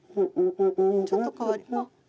ちょっと変わった。